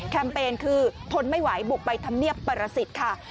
เปญคือทนไม่ไหวบุกไปทำเนียบปรสิทธิ์ค่ะ